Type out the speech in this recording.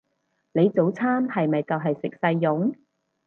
你早餐係咪就係食細蓉？